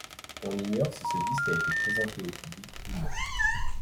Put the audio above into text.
On ignore si ce disque a été présenté au public ou non...